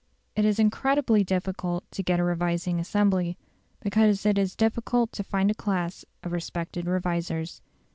It is incredibly difficult to get a revising assembly, because it is difficult to find a class of respected revisers.